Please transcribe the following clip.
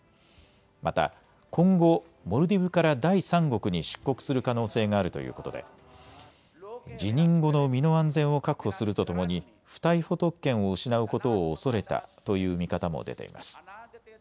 また今後、モルディブから第三国に出国する可能性があるということで辞任後の身の安全を確保するとともに不逮捕特権を失うことを恐れたという見方も出ています。